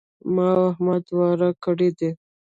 ما او احمد واری کړی دی.